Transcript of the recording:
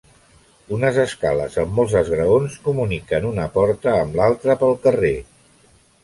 Unes escales amb molts esgraons comuniquen una porta amb l'altra pel carrer.